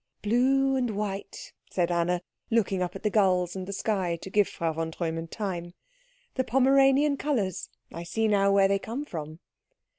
"Blue and white," said Anna, looking up at the gulls and the sky to give Frau von Treumann time, "the Pomeranian colours. I see now where they come from."